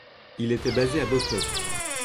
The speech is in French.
Il était basé à Boston.